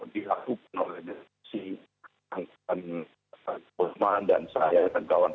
di aku penuhi diskusi dengan bang usman dan saya dan kawan kawan